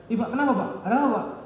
ih pak kenapa pak ada apa pak